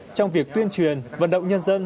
trong việc tuyên truyền vận động nhân dân